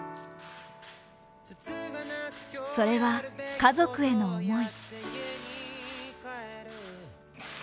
それは家族への思い。